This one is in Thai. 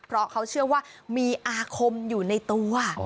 เพราะเขาเชื่อว่ามีอาคมอยู่ในตัว